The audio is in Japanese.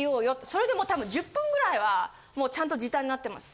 それでも多分１０分ぐらいはもうちゃんと時短になってます。